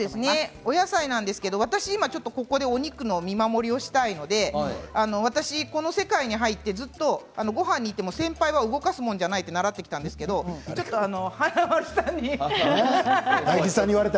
お野菜なんですが私、今、お肉を見守りをしているので私この世界に入ってずっとごはんに行っても先輩を動かすものじゃないと習ったんですがちょっと華丸さんに。